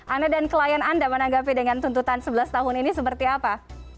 anda dan klien anda menanggapi dengan tuntutan sebelas tahun ini seperti apa